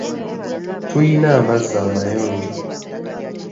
Tuyina amazzi amayonjo.